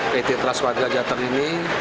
di pt transwaga jateng ini